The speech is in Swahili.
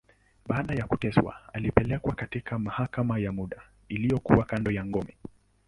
Baada ya kuteswa, alipelekwa katika mahakama ya muda, iliyokuwa kando ya ngome.